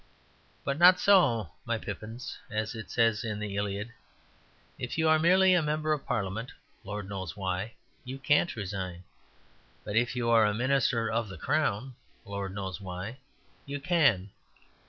But not so, my pippins, as it says in the "Iliad." If you are merely a member of Parliament (Lord knows why) you can't resign. But if you are a Minister of the Crown (Lord knows why) you can.